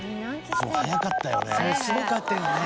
早かったよね。